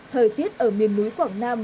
thời tiết ở miền núi quảng nam